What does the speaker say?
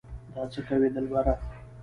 دا څه کوې دلبره